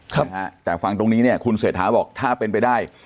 นะฮะแต่ฟังตรงนี้เนี่ยคุณเศรษฐาบอกถ้าเป็นไปได้